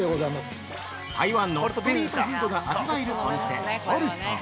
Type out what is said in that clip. ◆台湾のストリートフードが味わえるお店オルソー。